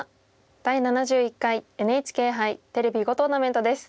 「第７１回ＮＨＫ杯テレビ囲碁トーナメント」です。